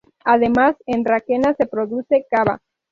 Además, en Requena se produce cava.